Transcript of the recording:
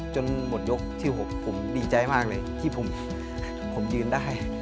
หมดยกที่๖ผมดีใจมากเลยที่ผมยืนได้